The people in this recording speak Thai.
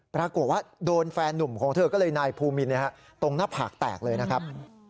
ปรากฏว่าโดนแฟนนุ่มของเธอก็เลยนายภูมินตรงหน้าผากแตกเลยนะครับ